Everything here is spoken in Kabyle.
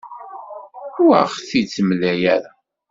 Ur aɣ-t-id-temla ara.